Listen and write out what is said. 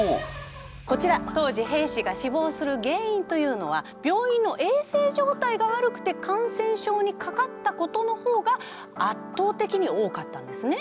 こちら当時兵士が死亡する原因というのは病院の衛生状態が悪くて感染症にかかったことの方が圧倒的に多かったんですね。